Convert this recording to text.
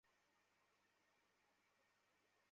এখনো সেটাই রয়েছে।